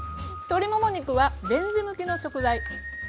鶏もも肉はレンジ向きの食材。